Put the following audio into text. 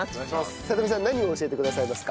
さとみさん何を教えてくださいますか？